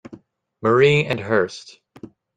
Marie and Hearst.